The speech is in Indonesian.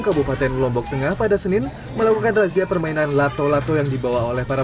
kabupaten lombok tengah pada senin melakukan razia permainan lato lato yang dibawa oleh para